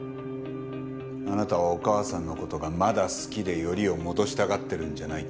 あなたはお母さんの事がまだ好きでよりを戻したがってるんじゃないって。